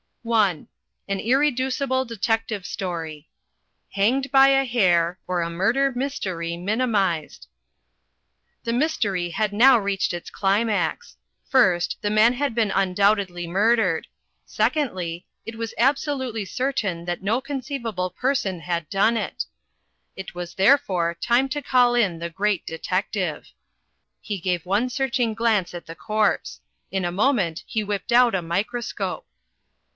(I) AN IRREDUCIBLE DETECTIVE STORY HANGED BY A HAIR OR A MURDER MYSTERY MINIMISED The mystery had now reached its climax. First, the man had been undoubtedly murdered. Secondly, it was absolutely certain that no conceivable person had done it. It was therefore time to call in the great detective. He gave one searching glance at the corpse. In a moment he whipped out a microscope.